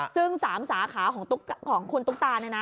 ซึ่ง๓สาขาของคุณตุ๊กตาเนี่ยนะ